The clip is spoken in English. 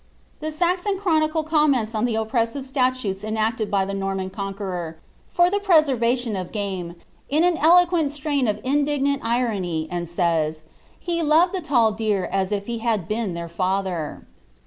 Tlie SaxoD Chrtmicle comments on the oppressive statutes en tlio Norman Conqueror, for ihe preservation of game, in an pl siraiii of indiguaiil irony, and says, '*lie loved the tall deer as if been ilieir father."